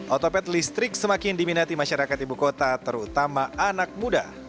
otopet listrik semakin diminati masyarakat ibu kota terutama anak muda